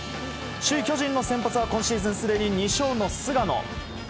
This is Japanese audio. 首位、巨人の先発は今シーズンすでに２勝の菅野。